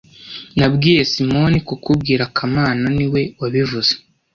Nabwiye Simoni kukubwira kamana niwe wabivuze